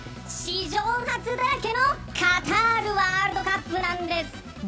史上初だらけのカタールワールドカップなんです。